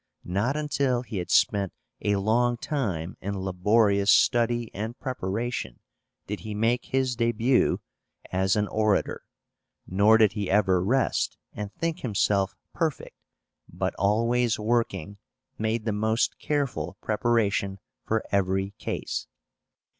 Not until he had spent a long time in laborious study and preparation did he make his début as an orator; nor did he ever rest and think himself perfect, but, always working, made the most careful preparation for every case.